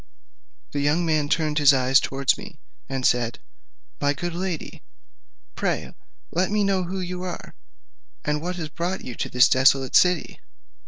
The young man turned his eyes towards me, and said, "My good lady, pray let me know who you are, and what has brought you to this desolate city?